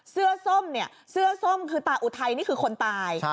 ส้มเนี่ยเสื้อส้มคือตาอุทัยนี่คือคนตาย